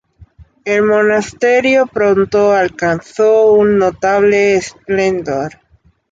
El monasterio pronto alcanzó un notable esplendor.